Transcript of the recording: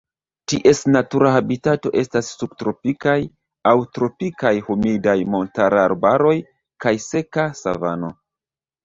Ties natura habitato estas subtropikaj aŭ tropikaj humidaj montararbaroj kaj seka savano.